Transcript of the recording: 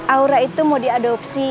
aura itu mau diadopsi